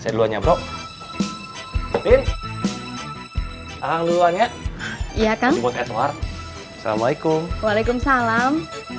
duluannya bro tim tim duluan ya iya kan salam alaikum waalaikumsalam